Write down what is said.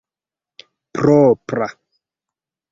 propra